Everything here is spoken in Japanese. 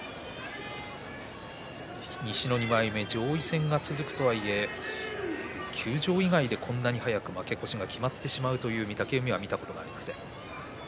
西の２枚目上位戦が続くとはいえ休場以外でこんなに早く負け越しが決まってしまう御嶽海は見たことがありません。